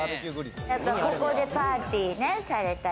ここでパーティーね、されたり。